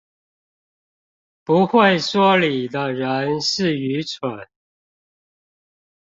不會說理的人是愚蠢